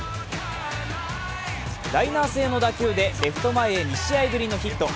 ライナー性の打球でレフト前に２試合ぶりのヒット。